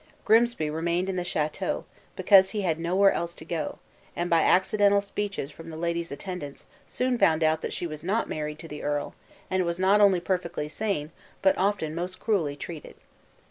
Grimsby remained in the chateau, because he had nowhere else to go; and by accidental speeches from the lady's attendants soon found that she was not married to the earl; and was not only perfectly sane, but often most cruelly treated.